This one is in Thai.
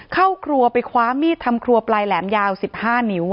เข้าครัวไปคว้ามีดทำครัวปลายแหลมยาว๑๕นิ้ว